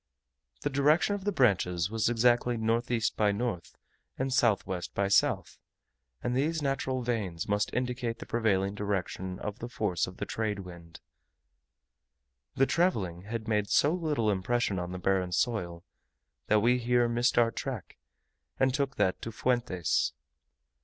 The direction of the branches was exactly N. E. by N., and S. W. by S., and these natural vanes must indicate the prevailing direction of the force of the trade wind. The travelling had made so little impression on the barren soil, that we here missed our track, and took that to Fuentes.